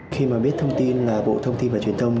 khi mà biết thông tin là bộ thông tin và truyền thông